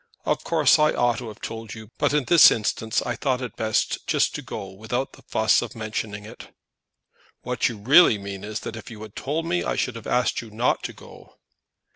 Of course I ought to have told you, but in this instance I thought it best just to go without the fuss of mentioning it." "What you really mean is, that if you had told me I should have asked you not to go."